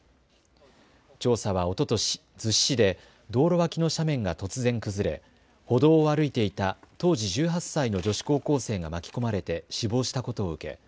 調査はおととし、逗子市で道路脇の斜面が突然崩れ歩道を歩いていた当時１８歳の女子高校生が巻き込まれて死亡したことを受け